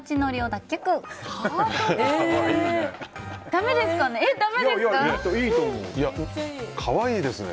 だめですかね？